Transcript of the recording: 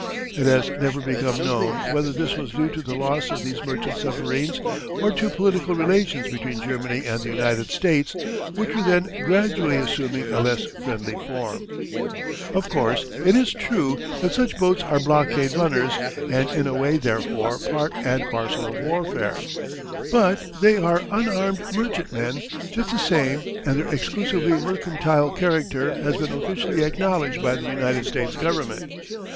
It has never become known whether this was due to the loss of these merchant submarines or to political relations between Germany and the United States which were then gradually assuming a less friendly form. [Illustration: Photo by International Film Service. A Submarine Built for Chili, Passing through Cape Cod Canal.] Of course, it is true that such boats are blockade runners and in a way, therefore, part and parcel of warfare. But they are unarmed merchantmen just the same and their exclusively mercantile character has been officially acknowledged by the United States Government.